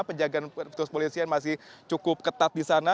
penjagaan kepolisian masih cukup ketat di sana